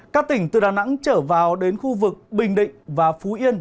các tỉnh từ đà nẵng trở vào đến khu vực bình định và phú yên